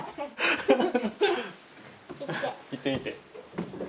行ってみて。